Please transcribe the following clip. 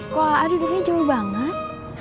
kok aa duduknya jauh banget